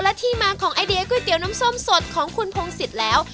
และที่มาของไอเดียก๋วยเตี๋ยวน้ำส้มสดของคุณพงศิษย์แล้ว